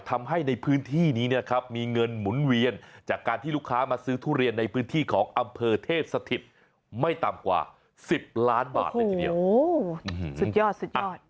ทำให้ในพื้นที่นี้นะครับมีเงินหมุนเวียนจากการที่ลูกค้ามาซื้อทุเรียนในพื้นที่ของอำเภอเทพสถิตไม่ต่ำกว่า๑๐ล้านบาทเลยทีเดียวสุดยอดสุดยอด